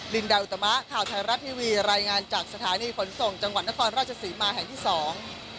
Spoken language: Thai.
ลินดาอุตมะข่าวไทยรัฐทีวีรายงานจากสถานีขนส่งจังหวัดนครราชศรีมาแห่งที่สอง